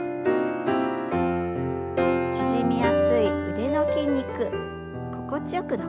縮みやすい腕の筋肉心地よく伸ばしていきましょう。